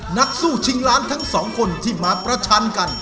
นักสู้ชิงล้านทั้งสองคนที่มาประชันกัน